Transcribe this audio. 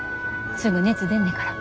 すぐ熱出んねから。